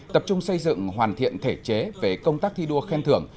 tập trung xây dựng hoàn thiện thể chế về công tác thi đua khen thưởng